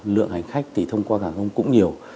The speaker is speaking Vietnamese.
lượng hành khách thì thông qua hàng không cũng nhiều